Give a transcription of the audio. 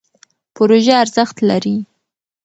پروژه ارزښت لري.